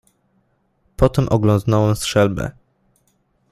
"Potem oglądnąłem strzelbę."